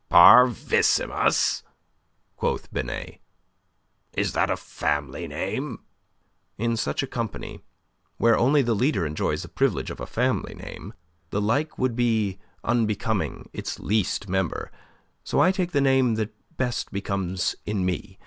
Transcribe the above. "Parvissimus?" quoth Binet. "Is that a family name?" "In such a company, where only the leader enjoys the privilege of a family name, the like would be unbecoming its least member. So I take the name that best becomes in me.